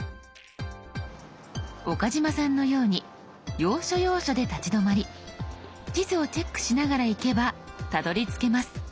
岡嶋さんのように要所要所で立ち止まり地図をチェックしながら行けばたどりつけます。